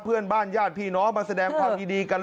เพื่อนบ้านญาติพี่น้องมาแสดงความยินดีกัน